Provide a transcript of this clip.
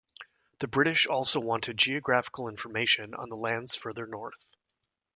The British also wanted geographical information on the lands further north.